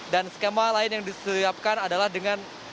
dan skema lain yang disiapkan adalah dengan